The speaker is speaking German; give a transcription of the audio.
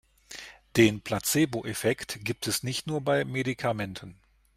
Den Placeboeffekt gibt es nicht nur bei Medikamenten.